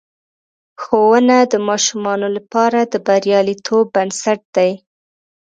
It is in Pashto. ښوونه د ماشومانو لپاره د بریالیتوب بنسټ دی.